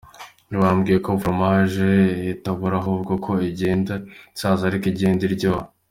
Bambwiye ko foromage itabora ahubwo ko uko igenda isaza ariko igenda iryoha.